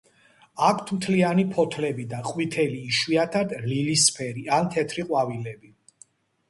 აქვთ მთლიანი ფოთლები და ყვითელი იშვიათად ლილისფერი ან თეთრი ყვავილები.